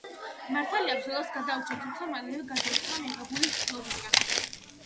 მართალია ბრძოლას გადაურჩა, თუმცა მალევე გარდაიცვალა მიღებული ჭრილობისგან.